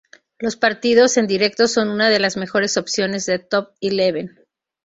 Los partidos en directo son una de las mejores opciones de Top Eleven.